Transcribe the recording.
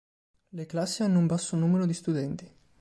Le classi hanno un basso numero di studenti.